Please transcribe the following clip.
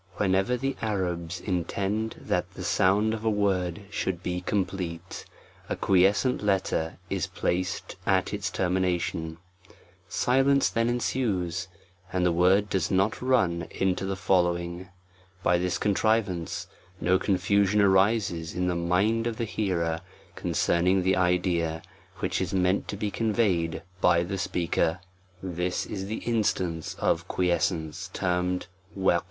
WHENEVER the .Arabs intend that the sound of a word should be complete, a quiescent letter is placed at its termination; silence then ensues, and the word (Joes not run into the following : by this contrivance no confusion arises in the mind of the hearer concerning the idea, which is meant to be conveyed by the speaker : this is the instance of quiescence, termed \J$j.